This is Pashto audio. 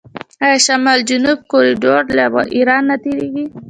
آیا شمال جنوب کوریډور له ایران نه تیریږي؟